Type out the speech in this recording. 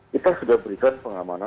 kita sudah berikan pengamanan